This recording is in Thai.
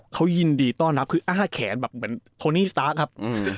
เขายินดีต้อนรับคืออ้าแขนแบบเหมือนโทนี่สตาร์ทครับ